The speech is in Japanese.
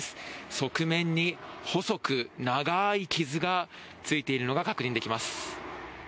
側面に細く長い傷がついているのが確認できます。